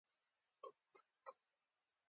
• صداقت د دوستۍ بنیاد دی.